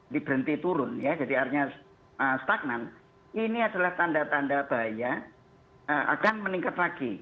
ini berhenti turun ya jadi artinya stagnan ini adalah tanda tanda bahaya akan meningkat lagi